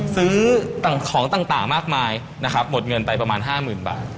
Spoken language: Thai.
ซื้อของต่างมากมายเหมือนได้อีก๕๐๐๐๐บาท